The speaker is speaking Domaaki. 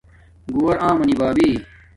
گُووار آمنݵ بابݵ